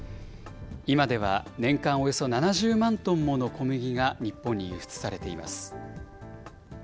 今では年間およそ７０万トンもの小麦が日本に輸出されています。